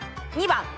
２番。